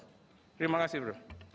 terima kasih prof